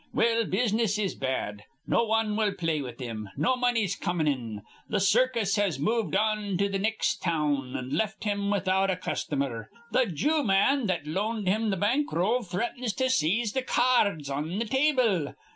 "Well, business is bad. No wan will play with him. No money's comin' in. Th' circus has moved on to th' nex' town, an' left him without a customer. Th' Jew man that loaned him th' bank roll threatens to seize th' ca ards on' th' table.